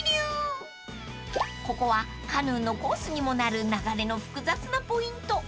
［ここはカヌーのコースにもなる流れの複雑なポイント］